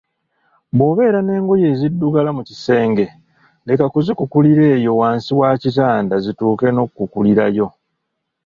Bw‘obeera n‘engoye eziddugala mu kisenge, leka kuzikukulira eyo wansi wa kitanda zituuke n‘okukulirayo